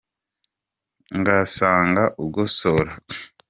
Ngasanga ugosora